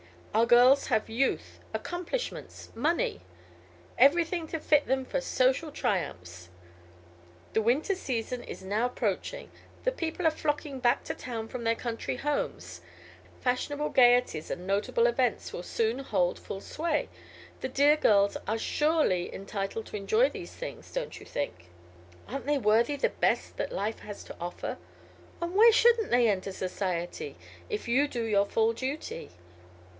"Our girls have youth, accomplishments, money everything to fit them for social triumphs. The winter season is now approaching; the people are flocking back to town from their country homes; fashionable gaieties and notable events will soon hold full sway. The dear girls are surely entitled to enjoy these things, don't you think? Aren't they worthy the best that life has to offer? And why shouldn't they enter society, if you do your full duty?